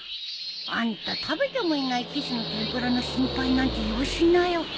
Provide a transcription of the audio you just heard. あんた食べてもいないキスの天ぷらの心配なんてよしなよ。